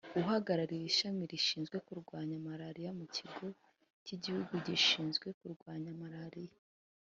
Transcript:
uhagarariye ishami rishinzwe kurwanya malariya mu Kigo k’Iguhugu gishinzwe kurwanya malariya